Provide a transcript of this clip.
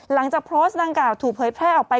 หลังจากโพสต์ดังกล่าวถูกเผยแพร่ออกไป